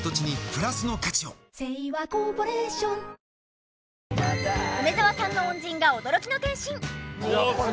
さらに梅沢さんの恩人が驚きの転身。